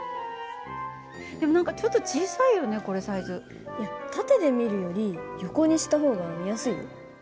でも何かちょっと小さいよねこれサイズ。いや縦で見るより横にした方が見やすいよ。